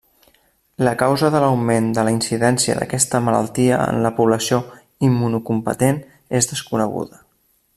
La causa de l'augment de la incidència d'aquesta malaltia en la població immunocompetent és desconeguda.